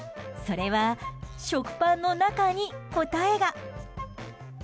それは、食パンの中に答えが。